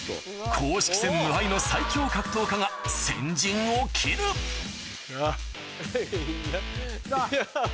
公式戦無敗の最強格闘家が先陣を切るあぁ！